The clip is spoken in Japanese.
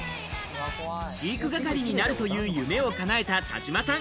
飼育係になるという夢をかなえた田島さん。